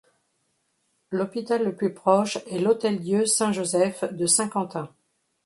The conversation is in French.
L'hôpital le plus proche est l'Hôtel-Dieu Saint-Joseph de Saint-Quentin.